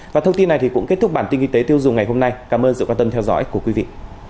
và thông tin này cũng kết thúc bản tin kinh tế tiêu dùng ngày hôm nay cảm ơn sự quan tâm theo dõi của quý vị